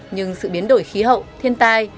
nhưng sự biến đổi khí hậu thiên tai